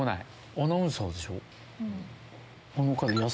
アナウンサーでしょ。